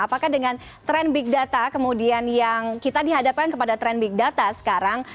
apakah dengan tren big data kemudian yang kita dihadapkan kepada tren big data sekarang